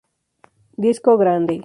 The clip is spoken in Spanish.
Disco grande.